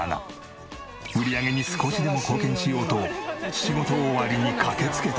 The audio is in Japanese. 売り上げに少しでも貢献しようと仕事終わりに駆けつけた。